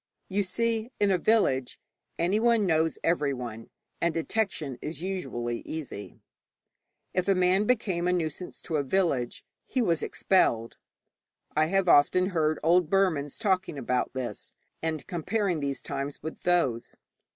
You see, in a village anyone knows everyone, and detection is usually easy. If a man became a nuisance to a village, he was expelled. I have often heard old Burmans talking about this, and comparing these times with those.